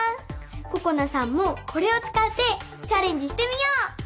ここなさんもこれをつかってチャレンジしてみよう！